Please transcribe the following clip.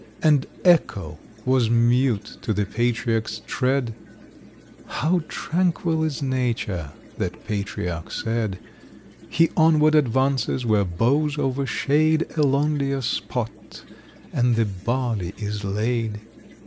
And Echo was mute to the patriarch's tread,— "How tranquil is Nature!" that patriarch said; He onward advances, where boughs overshade A lonelier spot, and the barley is laid.